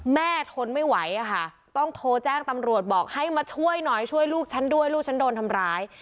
ทนไม่ไหวอะค่ะต้องโทรแจ้งตำรวจบอกให้มาช่วยหน่อยช่วยลูกฉันด้วยลูกฉันโดนทำร้าย